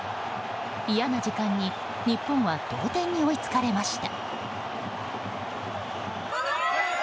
嫌な時間に日本は同点に追いつかれました。